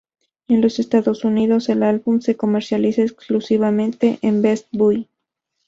En los Estados Unidos, el álbum se comercializa exclusivamente en Best Buy.